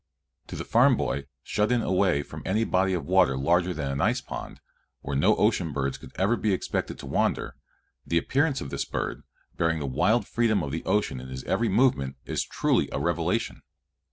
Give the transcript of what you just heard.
To the farm boy, shut in away from any body of water larger than an ice pond, where no ocean birds could ever be expected to wander, the appearance of this bird, bearing the wild freedom of the ocean in his every movement, is truly a revelation.